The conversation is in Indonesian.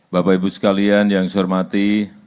bapak ibu sekalian yang saya hormati